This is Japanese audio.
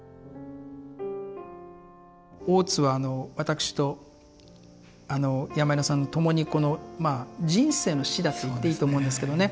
大津は私と山根さんと共に人生の師だと言っていいと思うんですけどね